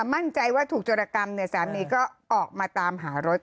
มั่นใจว่าถูกโจรกรรมเนี่ยสามีก็ออกมาตามหารถ